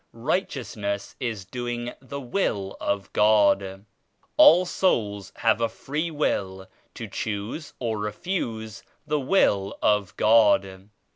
Righteous ness is doing the Will of God. All souls have a free will to choose or refuse the Will of God.